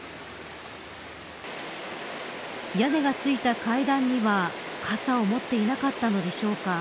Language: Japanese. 屋根がついた階段には傘を持っていなかったのでしょうか。